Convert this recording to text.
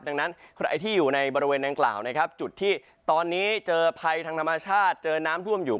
ดังนั้นใครที่อยู่ในบริเวณดังกล่าวนะครับจุดที่ตอนนี้เจอภัยทางธรรมชาติเจอน้ำท่วมอยู่